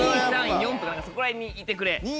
２３４とかそこら辺にいてくれ。